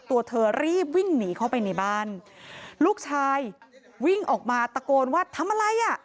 ตัวเธอรีบวิ่งหนีเข้าไปในบ้านลูกชายวิ่งออกมาตะโกนว่าทำอะไรอ่ะ